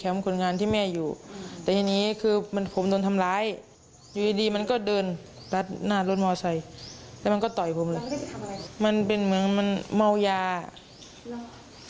วันนั้นผมขี่รถไปซื้อน้ำอยู่